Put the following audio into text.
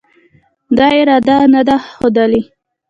دا اراده نه ده ښودلې